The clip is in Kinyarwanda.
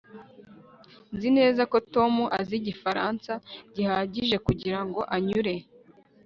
nzi neza ko tom azi igifaransa gihagije kugirango anyure